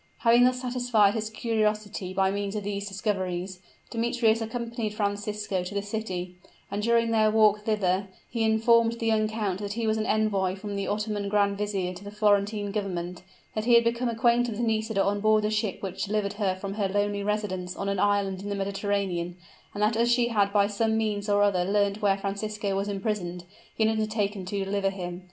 Having thus satisfied his curiosity by means of these discoveries, Demetrius accompanied Francisco to the city; and during their walk thither, he informed the young count that he was an envoy from the Ottoman Grand Vizier to the Florentine Government that he had become acquainted with Nisida on board the ship which delivered her from her lonely residence on an island in the Mediterranean and that as she had by some means or other learnt where Francisco was imprisoned, he had undertaken to deliver him.